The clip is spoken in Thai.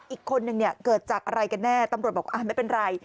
อีกคนนึงเนี่ยเกิดจากอะไรกันแน่ตำรวจบอกไม่เป็นไร